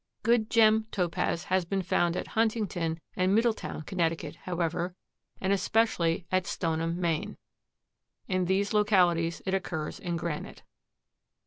Good gem Topaz has been found at Huntington and Middletown, Conn., however, and especially at Stoneham, Maine. In these localities it occurs in granite.